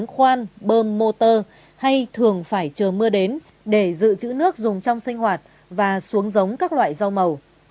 khoan bơm mô tơ hay thường phải chờ mưa đến để giữ chữ nước dùng trong sinh hoạt và xuống giống các loại rau màu